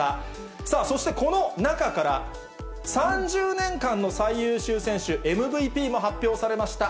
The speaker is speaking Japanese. さあそしてこの中から、３０年間の最優秀選手・ＭＶＰも発表されました。